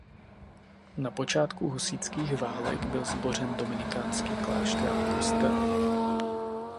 Na počátku husitských válek byl zbořen dominikánský klášter a kostel.